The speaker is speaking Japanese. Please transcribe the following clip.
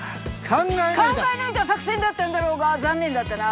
考え抜いた作戦だったんだろうが残念だったな。